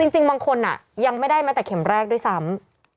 จริงบางคนยังไม่ได้แม้แต่เข็มแรกด้วยซ้ำ